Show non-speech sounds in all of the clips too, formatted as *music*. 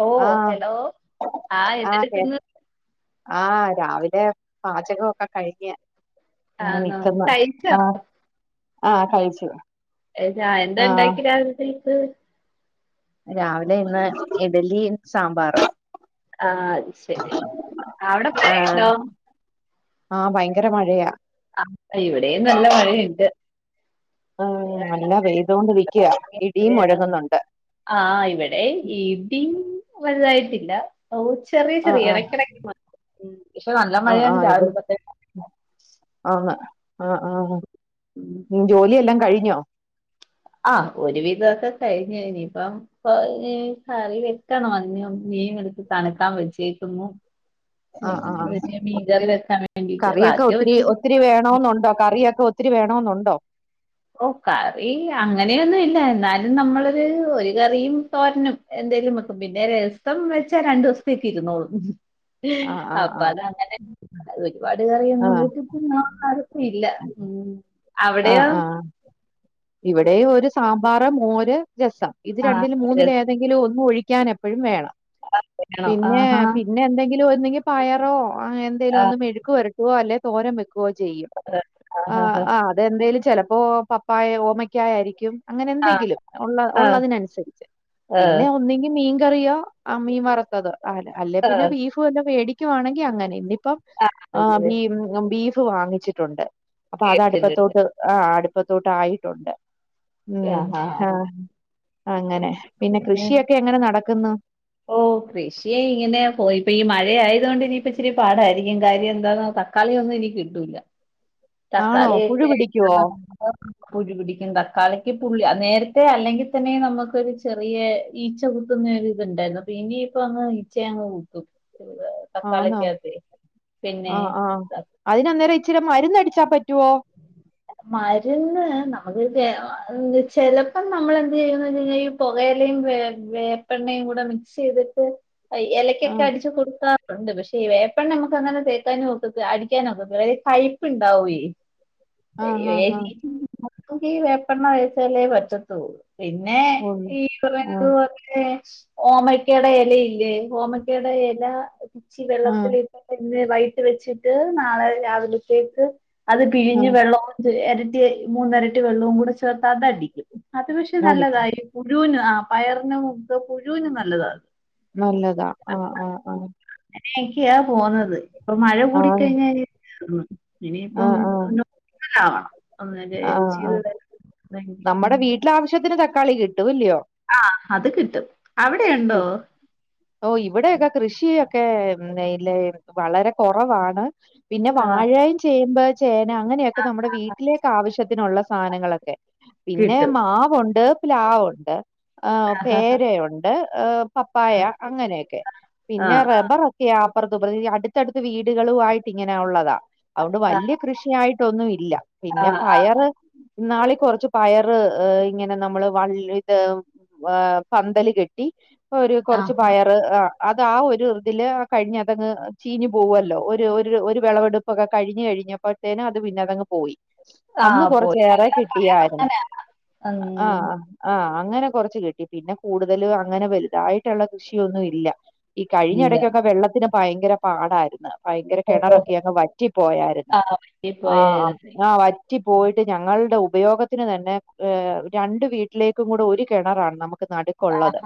ഓ ആഹ് ഹലോ ആ കെ ആഹ് രാവിലെ പാചകൊക്കെ കഴിഞ്ഞ്. ഞാ ആണോ വെക്കുന്ന കഴിച്ചോ ആഹ് ആഹ് കഴിച്ചു എജാ എന്താ ആഹ് ഇണ്ടാക്കിയെ രാവിലത്തേക്. രാവിലെ ഇന്ന് ഇഡലി സാമ്പാറും. ആഹ് അത് ശരി അവിടെ ആഹ് മഴഇണ്ടോ ആഹ് ഭയങ്കര മഴയാ ആഹ് ഇവിടെയും നല്ല മഴയിണ്ട് ആഹ് നല്ല പെയ്തോണ്ടിരിക്കാ ഇടിയും മുഴങ്ങുന്നുണ്ട് ആഹ് ഇവിടേം ഇടിം വലുതായിട്ടില്ല ഔ ചെറിയ ആഹ് ചെറിയ ആഹ് ഇടക്കിടക്ക് മ പക്ഷെ നല്ല മഴയാ രാവിലെ തൊട്ടേ അന്ന് ആഹ് ആഹ് ഉം. ജോലിയെല്ലാം കഴിഞ്ഞോ ആഹ് ഒരു വിധോക്കെ കഴിഞെയിഞ്ഞു ഇനിപ്പം ഇപ്പ ഇനി കറി വെക്കണം അയ്ന് മീൻ എടുത്ത് തണുക്കാൻ വച്ചേക്കുന്നു നിം ആഹ് ആഹ് മി മി മീങ്കറി വെക്കാൻ വേണ്ടീട്ട് കറിയൊക്കെ വാക്കി ഒത്തിരി ഒരുവിധം ഒത്തിരി വേണോന്നോണ്ടോ കറിയൊക്കെ ഒത്തിരി വേണോന്നോണ്ടോ ഓഹ് കറി അങ്ങനെയൊന്നും ഇല്ല എന്നാലും നമ്മളൊര് ഒരു കറിയും തോരനും എന്തേലും വെക്കും പിന്നെ രസം വെച്ചാ രണ്ടുസത്തേക്ക് ഇരുന്നോളും ആഹ് ആഹ് അപ്പ ആഹ് അതങ്ങനെ ഒരുപാട് കറിയൊന്നും ആഹ് കൂട്ടു *unintelligible* ഒക്കെ ഇല്ല ഉം അവിടെയോ ആഹ് ആഹ് ഇവിടെ ഓരു സാമ്പാറ്, മോര്, രസം, ഇത് ആ രണ്ടില് മൂന്നിലേ രസമാണോ എന്തെങ്കിലും ഒന്ന് ഒഴിക്കാൻ എപ്പഴും വേണം പിന്നെ ആഹാ പിന്നെ എന്തെങ്കിലു ഒന്നുകി പയറോ അങ്ങേ എന്തേലും ഒന്ന് മെഴുക്ക് വരട്ടുവോ അല്ലേ തോരം വെ ക്കുവൊ ചെയ്യും ആഹ് ആഹാഹാ. ആഹ് അതെന്തേലും ചെലപ്പോ പപ്പായ ഓമക്കായരിക്കും അങ്ങനെ ആ എന്തെങ്കിലും ഉള്ള ആ ഉള്ളതിനനുസരിച്ച് ആ പിന്നെ ഒന്നെങ്കിൽ മീൻ കറിയോ ആഹ് മീൻ വറത്തതോ ആല അല്ലേ ആ പിന്നെ ബീഫു വല്ലോം മേടിക്കുവാണെങ്കി അങ്ങനേം ഇന്നിപ്പം ആ ആഹ് അങ്ങനെ ബീ ബീഫ് വാങ്ങിച്ചിട്ടുണ്ട് അപ്പ അത് കേട്ടിട്ടുണ്ട് അടുപ്പത്തോട്ട് ആഹ് അടുപ്പത്തോട്ട് ആയിട്ടുണ്ട് ഉം ആഹാ ആ ആഹ് അങ്ങനെ പിന്നെ കൃഷിയൊക്കെ എങ്ങനെ നടക്കുന്നു ഓഹ് കൃഷി ഇങ്ങനെ പോയി ഇപ്പൊ ഈ മഴയായത് കൊണ്ട് ഇനിയിപ്പച്ചിരി പാടാരിക്കും കാര്യം എന്താന്നോ തക്കാളി ഒന്നും ഇനി കിട്ടൂല ആണോ പുഴു തക്കാളിഒക്കെ പിടിക്കുവോ *unintelligible* പുഴു പിടിക്കും തക്കാളിക്ക് പുള്ളി നേരത്തെ അല്ലെങ്കിൽ തന്നെ നമുക്കൊരു ചെറിയെ ഈച്ച കുത്തുന്നെ ഒരു ഇത്ണ്ടായിരുന്നു അപ്പ ഇനിയിപ്പ അങ്ങ് ഈച്ച അങ്ങ് കുത്തും ആന്നോ തക്കാളിക്കാത്തെ പിന്നെ ത- അയിന് അന്നേരം ഇച്ചിര് മരുന്ന് അടിച്ചാ പറ്റുവോ *inaudible* മരുന്ന് ഏഹ് നമുക്ക് തെ അഹ് ചെലപ്പോ നമ്മൾ എന്ത് ചെയ്യുന്നുണ്ടെങ്കി പുകയലയും വേ വേപ്പെണ്ണയും കൂടെ മിക്സ്തിട്ട് ആ എലക്കൊക്കെ അടിച്ചു കൊടുത്താ ഒണ്ട് പക്ഷേ ഈ വേപ്പണ്ണ നമക്ക് അങ്ങനെ തേക്കാന് ഒക്കത്തില്ല അടിക്കാനോക്കത്തില്ലേ പൈപ്പ്ണ്ടാവുവെ ആ ആ ആ *unintelligible* *unintelligible* ഈ വേപ്പെണ്ണ ഒഴിച്ചാലേ പറ്റത്തുള്ളൂ പിന്നെ കൊള്ളു ഈ ആ കുറേങ്ങട് *unintelligible* ഏഹ് ഓമക്കാടെ എലയില്ലേ ഓമക്കാടെ എല ഇച്ചി ആ വെള്ളത്തിലി ഇന്ന് വൈയ്യിട്ട് വെച്ചിട്ട് നാളെ രാവിലത്തേക്ക് അത് ആ പിഴിഞ്ഞ് വെള്ള എരട്ടിയായി മൂന്നരട്ടി വെള്ളവും കൂടെ ചേർത്ത് അത് അടിക്കും അത് പക്ഷെ അടിക്കും നല്ലതായിരി മുഴുവനും ആഹ് പയറിന് മൂത്ത പുഴുന് നല്ലതാ നല്ലതാ ആഹ് ആഹ് ആഹ് അങ്ങനെയെക്കെയാ പോന്നത് ഇപ്പൊ മഴ ആ ആ കൂടിക്കഴിഞ്ഞാ ഇനി ആ ഇനിയിപ്പം ആ ആ *unintelligible* ഉം നമ്മടെ വീട്ടിലാവശ്യത്തിന് തക്കാളി കിട്ടും ഇല്ലിയോ ആഹ് അത് കിട്ടും അവിടെ ഉണ്ടോ ഓഹ് ഇവിടൊയൊക്കെ കൃഷിയൊക്കെ നെയ് ലെയ് വളരെ കൊറവാണ് പിന്നെ ആ വാഴായും ചേമ്പ്, ചേന അങ്ങനെയൊക്കെ നമ്മടെ വീട്ടിലേക്ക് ആവശ്യത്തിനുള്ള സാധനങ്ങളൊക്കെ പിന്നെ കിട്ടും മാവൊണ്ട് പ്ലാവൊണ്ട് ആഹ് ആ പേരയുണ്ട് ഏഹ് പപ്പായ അങ്ങനെയൊക്കെ ആ പിന്നെ റെ റബ്ബറൊക്കെയാ അപ്പറത്തു ഇപ്പറത്തു ഈ അടുത്തടുത്ത് വീടുകളുവായിട്ടിങ്ങനാ ഒള്ളതാ അതുകൊണ്ട് വല്യ കൃഷിയായിട്ടൊന്നുവില്ലാ ആ പിന്നെ പയറ് ഇന്നാളീ കൊറച്ച് പയറ് ആഹ് ഇങ്ങനെ നമ്മള് വള്ള് ഇത് വാ പന്തല് കെട്ടി ഇപ്പോ ഒരു ആ കൊറച്ച് പയറ് റ് ആഹ് അതാ ഒരു ഇതില് കഴിഞ്ഞതങ്ങ് ചീഞ്ഞ് പോവുവല്ലോ ഒരു ഒരു ഒരു വെളവെടു പ്പൊക്കെ കഴിഞ്ഞ് കഴിഞ്ഞപ്പഴ്ത്തേന് അത് പിന്നതങ്ങ് പോയി ആ അന്ന് പോയി കൊറച്ചേറെ അല്ല പയർ കിട്ടിയാരുന്ന് അങ്ങനെ ഉം, ആഹ് ആഹ് അങ്ങനെ കൊറച്ച് കിട്ടി പിന്നെ കൂടുതല് അങ്ങനെ വലുതായിട്ടൊള്ള കൃഷിയൊന്നുവില്ലാ ഈ ഇല്ല കഴിഞ്ഞെടക്കൊക്കെ വെള്ളത്തിന് ഭയങ്കര പാടായിരുന്ന് ഭയങ്കര ഓ, ഓ, കെണറൊക്കെയങ്ങ് വറ്റി പോയാരുന്ന് ആ പറ്റിപ്പോയ ആഹ് ആഹ് ആഹ് വറ്റി പോയിട്ട് ഞങ്ങൾടെ ഉപയോഗത്തിന് തന്നെ ഏഹ് രണ്ട് വീട്ട് ട്ടിലേക്കും കൂടെ ഒരു കെണറാണ് നമുക്ക് നടുക്കൊള്ളത്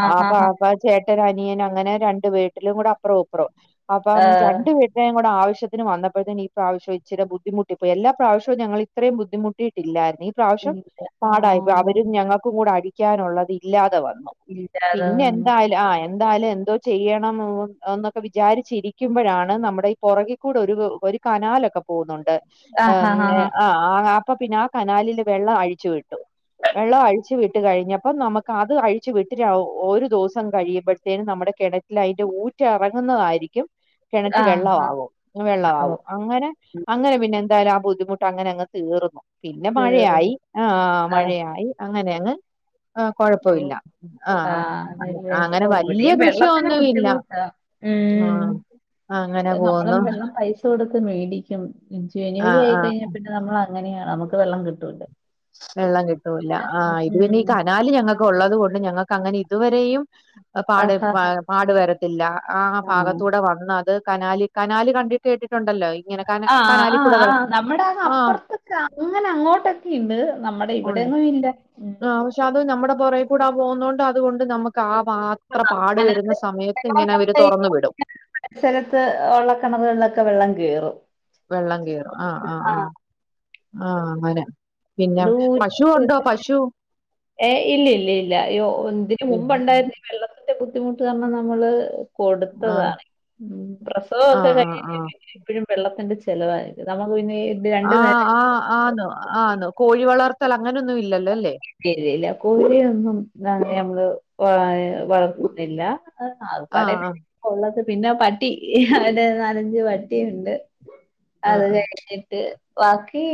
ആ ഹാ അപ് ഹാ അപ്പ ചേട്ടനനിയനങ്ങനെ രണ്ട് വീട്ടിലും കൂടെ അപ്പറോ ഇപ്പറോം അപ്പം ഏ, രണ്ട് വീട്ട് ട്ടിലേം കൂടാവശ്യത്തിന് വന്നപ്പഴ്ത്തേന് ഈ പ്രാവശ്യം ഇച്ചിരെ ബുദ്ധിമുട്ടിപ്പോയി എല്ലാ പ്രാവിശ്യോം ഞങ്ങളിത്രേം ബുദ്ധിമുട്ടീട്ടില്ലായിരുന്നീ ഇപ്രാവശ്യം ഇല്ല ആ പാടായിപ്പോയി അവരും ഞങ്ങക്കും കൂടടിക്കാനൊള്ളത് ഇല്ലാതെ വന്നു ഉം പിന്നെന്തായാലു ആഹ് എൻ എന്തായാലും എന്തോ ചെയ്യണം എന്നൊക്കെ വിചാരിച്ചിരിക്കുമ്പഴാണ് നമ്മടെ ഈ പൊറകി കൂടൊരു ഒരു കനാലൊക്കെ പോവുന്നൊണ്ട് ആ ഹാ എം ഹാ ഹാ ഏഹ് ആഹ് അ അപ്പ പിന്നെ ആ കനാലില് വെള്ള അഴിച്ചു വിട്ടു വെള്ളോം അഴിച്ച് വിട്ട് കഴിഞ്ഞപ്പം നമക്കത് അഴിച്ചു വിട്ട് *unintelligible* ഒരോ ദൂസം കഴിയുമ്പഴ്ത്തേനും നമ്മടെ കെണറ്റിലയിന്റെ ഊറ്റെറങ്ങുന്നതായിരിക്കും കെണറ്റി ആ ഹാ വെള്ളവാവും വെള്ള ആവും പാവം. അങ്ങനെ അങ്ങനെ പിന്നെന്തായാലും ആഹ് ബുദ്ധിമുട്ടങ്ങനങ്ങ് തീർന്നു പിന്നെ മഴയായി തീർന്നു. ആഹ് ആ, മഴയായി അങ്ങനെയങ്ങ് ആഹ് കൊഴപ്പവില്ലാ ആഹ് ആഹ് അതേല്ലേ ഓഹ് ഇവിടെയും വെള്ളത്തിന് ബുദ്ധിമുട്ടാ ആ ഉം അങ്ങനെ ഏഹ് നമ്മളും പോവുന്നു വെള്ളം പൈസ കൊടുത്ത് മേടിക്കും ഉം ആ ജനുവരി ആ ആയിക്കഴിഞ്ഞപ്പഴ് നമ്മളങ്ങനെയാ നമ്മക്ക് വെള്ളം കിട്ടൂലാ വെള്ളം കിട്ടൂല്ലാ ആഹ് ഇത് പിന്നെ ഈ ഉം. കനാല് ഞങ്ങക്കൊള്ളത് കൊണ്ട് ഞങ്ങക്കങ്ങനെ ഇതുവരേയും ആഹ് പാട് പാ ആഹാഹാ. പാട് വരത്തില്ലാ ആഹ് ഭാഗത്തൂടെ വന്നത് കനാലി കനാല് കണ്ടിട്ട് കേട്ടിട്ടൊണ്ടല്ലോ ഈ ആഹ് ആഹ് ആഹ് നമ്മടങ്ങ് ആ അപ്പർത്ത് ക്ക് അങ്ങനെ അങ്ങോട്ടൊക്കെയിണ്ട് നമ്മടെ ഇവിടെയെങ്ങും ഇല്ല. ചത് നമ്മടെ പൊറേ കൂടെ ആഹ് പോകുന്നോണ്ട് അതുകൊണ്ട് നമ്മുക്ക് ആഹ് ഭാ ത്ര പാട് വെരുന്ന അല്ലാതെ സമയത്തിങ്ങനെ അവര് തൊറന്ന് വിടും. എ ചെലത്ത് ഒള്ള കെണറുകൾലൊക്ക വെള്ളം കേറും വെള്ളം കേറും അ അ അ ആഹ് അങ്ങനെ പിനെ ദൂ പശു ഉണ്ടോ പശു. ഏ ഇല്ലില്ലില്ല യ്യോ ഇന്തിക്ക് ഇ- മുമ്പ്ണ്ടായിര്ന്നേ വെള്ളത്തിൻ്റെ ബുദ്ധിമുട്ട് കാരണം ന്നമ്മള് ആ കൊടുത്തതാണെ ഉം ആ പ്രസവൊക്കെ ആ കഴിഞ്ഞ് ആ ച്ച് ച്ച് ച്ച് എപ്പഴും വെള്ളത്തിന്റെ ചെലവായിരിക്കും നമക്ക് പിനെ- ആഹ് ആഹ് ആന്ന് ആന്ന് കോഴി വളർത്തലങ്ങനൊന്നും ഇല്ലല്ലോ ലെ ഇല്ലയില്ല കോഴിയൊന്നും ഇതാണ് നമ്മള് കൊളായ വളർ ഉതില്ല അഹ് ആക ആ പാടെ ആ പിനെ ഒള്ളത് പിനെ പട്ടി ഹ് അവന്റെ നാലഞ്ച് പട്ടിയുണ്ട്. ആ അത് ആ. കഴിഞ്ഞിട്ട് വാക്കി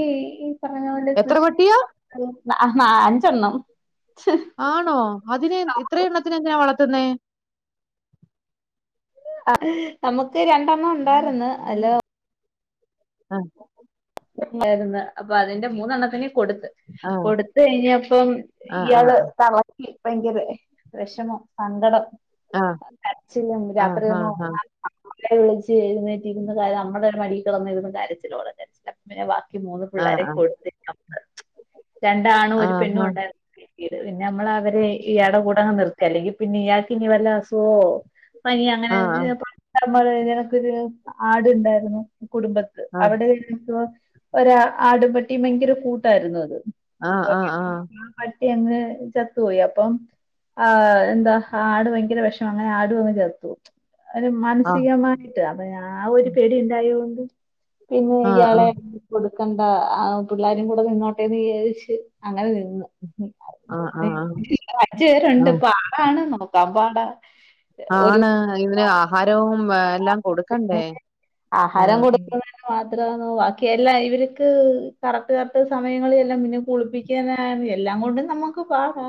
ഈ പറഞ്ഞ പോലെ എത്ര കൃഷി പട്ടിയാ മൊ- അഹ് ന്നഹ് അഞ്ചണ്ണം ച്ച്- ആണോ അതിനേം ഇത്രെയെണ്ണത്തിനെ എന്തിനാ വളത്ത്ന്നെ? അ ഹ് നമുക്ക് രണ്ടെണ്ണം ഉണ്ടാര്ന്ന് അയ്ലൊ- അ വിട്ടേര്ന്ന് അപ്പ അതിന്റ മൂന്നെണ്ണത്തിനേം കൊട്ത്ത് ആ കൊട്ത്തെയ്ഞ്ഞപ്പം ആ ആ ഇയാള് തള ക്ക്‌ ഭയങ്കരെ വെഷമം സങ്കടം ആ അ കരച്ചിലും ആ ആ രാത്രിഒന്നും ആ ഒറങ്ങാ- അമ്മുമ്മേ വിളിച്ച് എഴ്‌ന്നേറ്റിര്ന്ന് കരയ നമ്മടെ ഒര് മടിക്കെടന്ന് ഇരുന്ന് കരച്ചില്ലോട കരച്ചില്. പിനെ വാക്കി മൂന്ന് ആ ആ പിള്ളേരെ കൊടുത്തിട്ടവക്ക് രണ്ടാണും ആ ഒര് പെണ്ണുണ്ടായ്ര് ക്കിത് പിനമ്മളവരെ ഇയാടെ കൂടങ്ങ് നിർത്തി അല്ലെങ്കി പിനെ ഇയാക്ക് ഇനി വെല്ല അസുഗോ പനി ആ ആ ആ അങ്ങനെന്ത് പണ്ട് നമ്മള് ഇതേകണക്കൊരു ആട്ണ്ടാര്ന്നു കുടുംബ ത്ത് അവടേയ്ര്ന്നപ്പോ ഒര് ആടും പെട്ടി ഭയങ്കര കൂട്ടാര്ന്നു അത്. ആ ആ ആ *unintelligible* പട്ടി അങ്ങ് ചത്തുപോയൊ അപ്പം ആ അ് എന്താ ആട് ഭയങ്കര വെഷമ അങ്ങനെ ആടും അങ്ങ് ചത്തു. ഒര് മാനസികമായ്ട്ട് അപ ഞാ ഒര് പേടി ഇണ്ടായൊണ്ട് പിനെ ആ ഇയാളെ കൊട്ക്കണ്ട ആ അ പിള്ളാരും കൂടെ നിന്നോട്ടേന്ന് വിജാരിച്ച് അങ്ങനെ നിന്നു അഞ്ച് പേരുണ്ട് ആ പ്പ ആടാണ് ന്നോക്കാ പാടാ ഒരു ആണ് അയ്ന്പിനെ ആഹാരോം വേ എല്ലാം കൊട്ക്കണ്ടേ ഉം. മാത്രാന്നോ വാക്കി എല്ലാ ഇവ്ര്ക്ക് കറക്റ്റ് കറക്റ്റ് സമയങ്ങളിലെല്ലാം മുനെ കുളിപ്പി ക്കനായാലും എല്ലാം കൊണ്ടും നമ്മക്ക് പാടാ.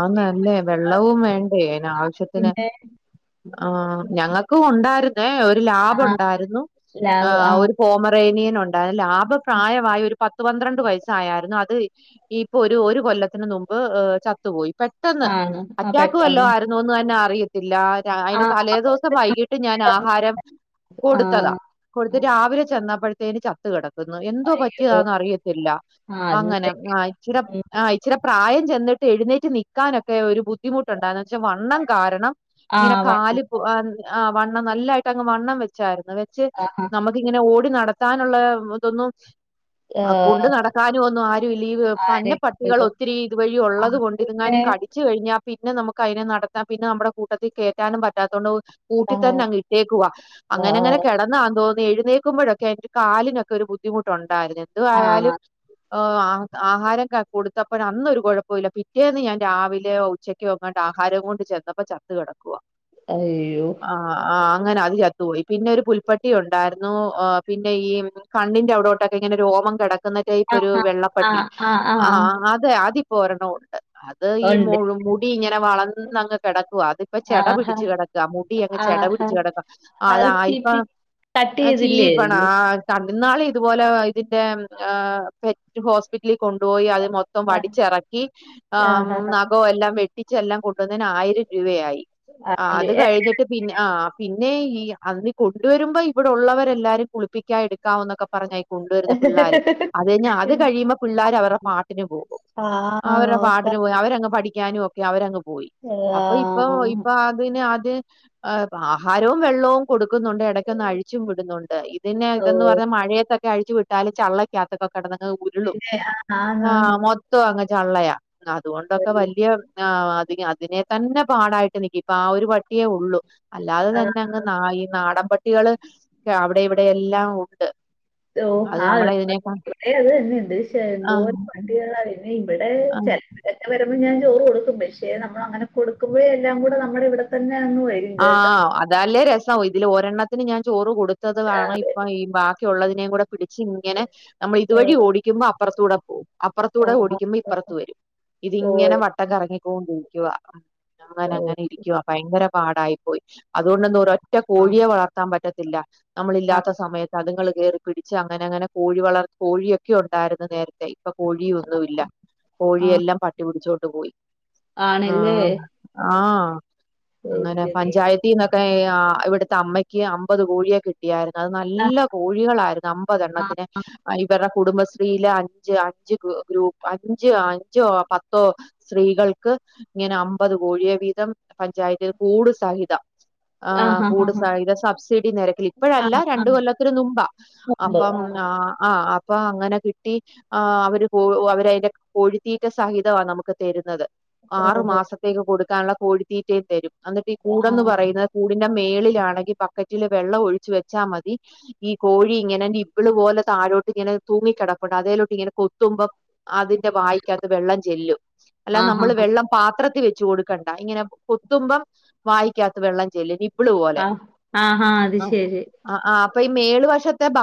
ആന്നല്ലേ വെള്ളവും വേണ്ടേ അയ്നാവശ്യത്തിന്. പിന്നെ ആഹ് ഞങ്ങക്കു ഉണ്ടാര്ന്നേ ഒര് ആ ലാബുണ്ടാര്ന്നു ആ ഒരു കോമറേനിയനൊണ്ടായ ലാബ് പ്രായവായൊര് പത്ത് പന്ത്രണ്ട് വയസ്സായാര്ന്നു അത് ഈപ്പ ഒരു ഒരു കൊല്ലത്തിന് ന്നുമ്പ് ഏ ചത്തുപോയി. പെട്ടെന്ന് ആണ് ആ അറ്റാക്ക്‌വല്ലോ പെട്ടെന്ന് ആര്ന്നോന്ന് തനെ അറി ത്തില്ലാ ഞാ ആ അയ്ന് തലേദീസം വൈകീട്ട് ഞാനാഹാരം ആ കൊട്ത്തതാ ആ, കൊട്ത്ത് രാവിലെ ചെന്നപ്പഴ്‌ ത്തേന് ചത്ത് കെടക്ക്‌ന്ന് എന്തോ അയ്യോ പറ്റിയതാന്ന് അറിയത്തില്ല ആ അത് അങ്ങനങ്ങായ് ഇച്ചിരം ആ ഇച്ചിര പ്രായം ചെന്നിട്ട് ട്ടെഴുന്നേറ്റ് നിക്കാനൊക്കെ ഒര് ബുദ്ധിമുട്ടുണ്ടായ്ര്ന്ന് പക്ഷെ വണ്ണം കാരണം ആ ഇങ്ങന വണ്ണം കാല് പു ആൻ അ വണ്ണം നല്ലായ്ട്ടങ്ങ് വണ്ണം വെച്ചാര്ന്ന് വെച്ച് ആഹ് ഹാ നമ്ക്കിങ്ങനെ ഓടി നടക്കാനുള്ള ഇതൊന്നും അ കൊണ്ട് ആഹ് നടക്കാനുവൊന്നും ആരും ഇല്ല ഈ പന്ന ആരെങ്കിലും പട്ടികളൊത്തിരി ഇതുവഴി ഒള്ളത് പിന്നെ ഇത്ങ്ങാനും കടിച്ച്‌ കയ്ഞ്ഞാ പിന്ന നമക്ക് അയ്ന നടത്താ പിന്ന നമ്മടെ കൂടത്തി കേറ്റാനും പറ്റാതൊണ്ട് ആഹ് കൂട്ടിത്തന്നങ്ങ് ഇട്ടേക്കുവാ അങ്ങനെ അങ്ങനെ ആഹ് കെടന്നാ തോന്ന് എഴുന്നേ ക്കുമ്പഴൊക്കെയ്ന്റൊര് കാലിനൊക്കെ ഒര് ബുദ്ധിമുട്ടുണ്ടാര്ന്ന് ആഹ് എന്തുവായാലും ഓഹ് ആഹ് ആഹാരം ക കൊടുത്തപ്പഴന്നൊര് കൊഴപ്പോല്ല പിറ്റ് റ്റേന്ന് ഞാൻ രാവിലെയോ ഉച്ചക്കോ എങ്ങാണ്ട് ആഹാരോം കൊണ്ട് ചെന്നപ്പ ചത്ത് കെടക്കുവാ അയ്യോ ആഹ ആ അങ്ങന അത് ചത്തുപോയി പിന്നൊര് പുൽപട്ടി ഒണ്ടാര്ന്നു അ പിന്ന ഈ കണ്ണിന്റ അവടൊട്ടക്കിങ്ങനെ രോമം കെടക്ക്‌ന്ന ടൈപ്പൊരു ആഹാ! ആ വെള്ളപ്പട്ടി ആ ആ ആ ആഹ് അതെ അതിപ്പോ ഒരെണ്ണവോ ണ്ട് ആ, ഈ ഉണ്ട്. മുൾ മുടി ഇങ്ങന വളർന്നങ്ങ് കെടക്കുവാ അതിപ്പ ചെട ആഹാ! പിടിച്ച് കെടക്കുവാ മുടി അങ്ങ് ചെട ആഹാ! പിടിച്ച് കെടക്കാ അത് അതായിപ്പ സ്കിപ്പി കട്ട് അ ചെയ്തില്ലേ ചീപ്പണം ആത് തണ്ട്ന്നാളി ഇതുപോല ഇതിന്റെ അ പെറ്റ് ഹോസ്പിറ്റ്ലി കൊണ്ട്പോയി അത് മൊത് ത്തം അത്? വടിച്ചെറക്കി അ ആ, ആഹാ! നഖോം എല്ലാം വെട്ടിച്ചെല്ലാം കൊണ്ടോന്നെന് ആയിരം രൂപയായി ആഹ് അല്ലേ അത് കയ്ഞ്ഞെ ട്ട് പിന്ന ആ പിന്നെ ഈ അന്നീ കൊണ്ട്വര്മ്പോ ഇവിടൊള്ളവരെല്ലാരും കുളിപ്പിക്കാം എടുക്കാവന്നൊക്ക പറഞ്ഞായി കൊണ്ട്വരുന്ന പിള്ളാര് അത് കയ്ഞ്ഞ് അത് കഴിയുമ്പ പിള്ളാര് അവര പാട്ടിന് പോകും ആ അവര നോക്കാം. പാട്ടിനു പോയി അവരങ്ങ് പഠിക്കാനും ഒക്കയ അവരങ്ങ് പോയി അപ്പ ഇപ്പൊ ആഹ് ഇപ്പ അതിന് ആദ്യ ആഹാരവും വെള്ളവും കൊടുക്ക്‌ന്നൊണ്ട് എട ഇതൊന്നു അഴിച്ചും വിടുന്നുണ്ട് ഇതിനെ ഓ ഇത് എന്ന് പർഞ്ഞ മഴയത്തൊക്കെ അഴിച്ചു വിട്ടാലും ചള്ളൊക്കകത്തൊക്കെ കെടന്നങ്ങ് ഉരുളും ളും പിന്നെ ആ, ആന്ന് ആ ആന്ന്. മൊത്തം അങ്ങ് ചള്ളയാ അതുകൊണ്ടൊക്കെ വല്യ. ആ അത് അതിനെ തന്നെ പാടായിട്ട് നിക്ക്യാ ഇപ്പൊ ആ ഒരു പട്ടിയേ ഉള്ളു. അല്ലാതെ ആ തന്നെ അങ്ങ് നാ ഈ നാടം പട്ടികള് അവിടെം ഇവിടെം എല്ലാം ഉണ്ട്. ഓ അത് ആ നമ്മളെ ഇതിനേക്കാ കുറെ അത് തന്നെയുണ്ട് പക്ഷെ ആഹ് എന്തോരം പട്ടികളാ വരുന്ന ഇബടെ ആ ചെൽ *unintelligible* വരുമ്പോ ഞാൻ ചോറ് കൊടുക്കും പക്ഷേ നമ്മളങ്ങനെ കൊടുക്കുമ്പഴേ എല്ലാം കൂടെ നമ്മുടെ ഇവിടെത്തന്നെയങ്ങ് വെരും ആഹ് അതല്ലേ രസം ഇതില് ഒരെണ്ണത്തിന് ഞാൻ ചോറ് കൊടുത്തത് കാരണം ഇപ്പൊ ഈ ബാ ക്കി ഉള്ളതിനെ കൂടെ പിടിച്ച് ഇങ്ങനെ നമ്മൾ ഇതുവഴി ഓടിക്കുമ്പോ അപ്പൊർത്തൂടെ പോവും. അപ്പുർത്തൂടെ ആഹാ. ഓടിക്കുമ്പോ ഇപ്പൊർത്ത് വരും ഓ ഇതിങ്ങനെ വട്ടം കറങ്ങിക്കോണ്ടിരിക്കുവാ അങ്ങന ഓ അങ്ങനെ ഇരിക്കുവാ ഭയങ്കര പാടായി പോയി അതുകൊണ്ടൊന്നും ഒരൊറ്റ ആ, കോഴിയെ വളർത്താൻ പറ്റാ ത്തില്ല ആ, നമ്മളില്ലാത്ത സമയത്ത് അതുങ്ങൾ കേറി. പിടിച്ച് അങ്ങനെ അങ്ങനെ കോഴി വളർ കോഴിയൊക്കെ ഉണ്ടായിരുന്നു നേരത്തെ. ഇപ്പ കോഴിയൊന്നും ഇല്ല ആ. കോഴിയെല്ലാം പട്ടിപിടിച്ചോണ്ട് പോയി. ആണല്ലേ ആഹ് ആഹ്. വെയിറ്റ് അങ്ങനെ ചെയ്ത് പഞ്ചായത്തിന്നൊക്കെ ആഹ് ഇവിട്ത്തെ അമ്മയ്ക്ക് അമ്പത് കോഴിയെ കിട്ടിയായിരുന്നു. അത് ആ, നല്ല കോഴികളായിരുന്നു അമ്പത് ആ, എണ്ണത്തിനെ ഇവര്ടെ. കുടുംബശ്രീയില് അഞ്ച് അഞ്ച് ഗ്രൂപ്പ് അഞ്ച് അഞ്ചോ പത്തോ. സ്ത്രീകൾക്ക് ഇങ്ങനെ അമ്പത് കോഴിയെ വീതം പഞ്ചായത്തി കൂട് സഹിതം. ആ, ആഹ് ആ, ആ, കൂടു ആ, സഹിതം സബ്സിഡി നിരക്കിൽ ആ, ഇപ്പഴല്ല ആ. രണ്ട് കൊല്ലത്തിന് മുമ്പാ. ഉണ്ട്. അപ്പം ആ. ആഹ് ആ അപ്പൊ അങ്ങനെ കിട്ടി. ആ അവര് കോ അവര അയ്ന്റെ കോഴിത്തീറ്റ സഹിതവാ നമുക്ക് തരുന്നത്. ആറു ഓഹോ മാസത്തേക്ക് കൊട്ക്കാള്ള കോഴിത്തീറ്റയും തരും അന്നിട്ട് ഈ ആ കൂടന്ന് പറയുന്ന കൂടിന്റെ മേളിലാണെങ്കി ബക്കറ്റില് വെള്ളം ഒഴിച്ച് വെച്ചാ മതി ഈ കോഴി ഇങ്ങനെ നി പ്പ്ള് പോലെ താഴോട്ട് ഇങ്ങനെ തൂങ്ങി കെടപ്പുണ്ട് അതേലോട്ട് ഇങ്ങനെ കൊത്തുമ്പം. അതിന്റെ വായിക്കകത്ത് വെള്ളം ചെല്ലും അല്ലാതെ ആഹാ നമ്മള് വെള്ളം പാത്രത്തി വെച്ചു കൊട് ക്കണ്ട ഇങ്ങനെ കൊത്തുമ്പം വായിക്കകത്ത് വെള്ളം ചെല്ലു നി പ്പ്ള് പോലെ ആ ആഹാ അത് ആ ശരി അ ആ അപ്പ ഈ മേള് വശത്തെ ബ